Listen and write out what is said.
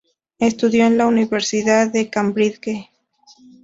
Estudió en la Universidad de Cambridge.